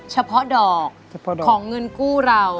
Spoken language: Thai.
เฉพาะดอกของเงินกู้เรา